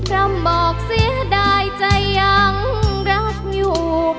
ร่ำบอกเสียดายใจยังรักอยู่